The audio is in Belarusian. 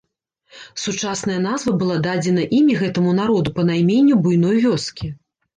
Сучасная назва была дадзена імі гэтаму народу па найменню буйной вёскі.